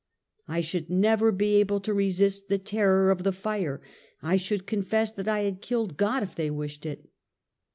"I should never be able to resist the terror of the fire, I should confess that I had killed God if they wished it."